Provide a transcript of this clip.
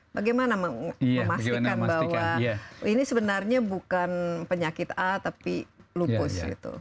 bagaimana memastikan bahwa ini sebenarnya bukan penyakit a tapi lupus